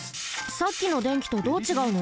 さっきの電気とどうちがうの？